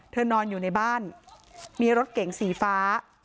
นอนอยู่ในบ้านมีรถเก๋งสีฟ้า